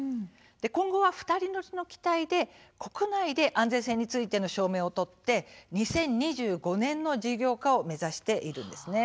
今後、２人乗りの機体で国内で安全性についての証明を取って２０２５年の事業化を目指しているんです。